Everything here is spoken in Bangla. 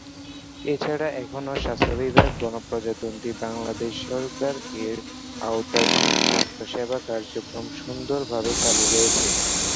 এছাড়াও এখানে স্বাস্থ্য বিভাগ, "গণপ্রজাতন্ত্রী বাংলাদেশ সরকার" এর আওতাধীন স্বাস্থ্যসেবা কার্যক্রম সুন্দর ভাবে চালু রয়েছে।